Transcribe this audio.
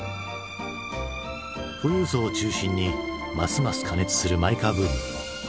富裕層を中心にますます過熱するマイカーブーム。